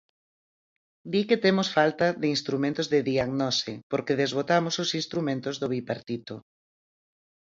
Di que temos falta de instrumentos de diagnose, porque desbotamos os instrumentos do Bipartito.